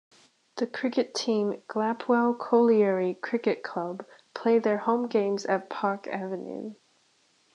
The cricket team "Glapwell Colliery Cricket Club" play their home games at Park Avenue.